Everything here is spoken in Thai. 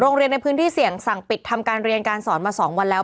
โรงเรียนในพื้นที่เสี่ยงสั่งปิดทำการเรียนการสอนมา๒วันแล้ว